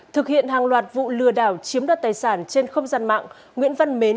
thực hiện hàng loạt vụ lừa đảo chiếm đoạt tài sản trên không gian mạng nguyễn văn mến